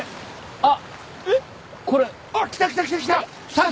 あっ！